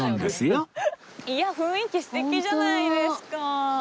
いや雰囲気素敵じゃないですか！